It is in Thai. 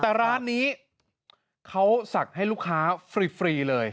แต่ร้านนี้เขาสั่งให้ลูกค้าฟรีเลย